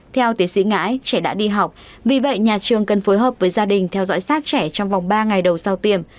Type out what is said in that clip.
theo tiến sĩ ngãi trẻ đã đi học vì vậy nhà trường cần phối hợp với gia đình theo dõi sát trẻ trong vòng ba ngày đầu sau tiềm